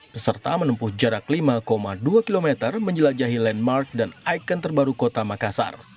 peserta menempuh jarak lima dua km menjelajahi landmark dan ikon terbaru kota makassar